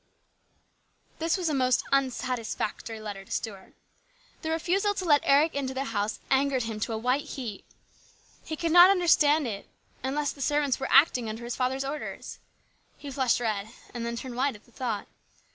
This was a most unsatisfactory letter to Stuart. The refusal to let Eric into the house angered him to a white heat. He could not understand it, unless the servants were acting under his father's orders. He flushed red and then turned white at the thought.